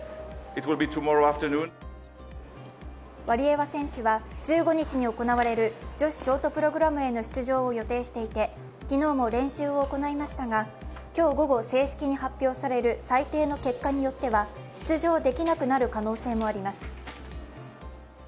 ワリエワ選手は１５日に行われる女子ショートプログラムへの出場を予定していて昨日も練習を行いましたが、今日午後正式に発表される裁定の結果によっては出場できなくなる可能性もあります。